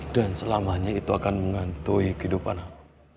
dan selamanya itu akan mengantui kehidupan aku